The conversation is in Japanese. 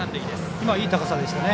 今はいい高さでしたね。